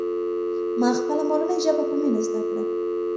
ما خپله مورنۍ ژبه په مینه زده کړه.